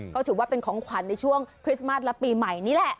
ก็ถือว่าเป็นของขวัญในช่วงคริสต์มัสและปีใหม่นี่แหละ